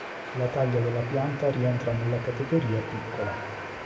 La taglia della pianta rientra nella categoria "piccola".